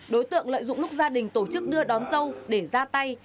đối tượng lợi dụng lúc gia đình tổ chức đưa đón dâu để ra tay